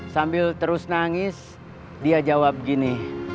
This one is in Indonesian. sambil terus nangis dia jawab gini